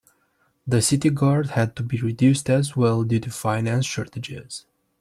The city guard had to be reduced as well due to finance shortages.